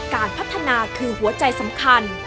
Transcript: การพัฒนาคือหัวใจสำคัญ